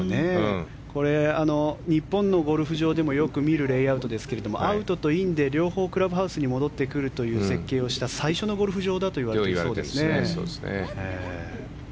これ、日本のゴルフ場でもよく見るレイアウトですけどアウトとインで両方クラブハウスに戻ってくるという設計をした最初のゴルフ場だといわれているそうですね。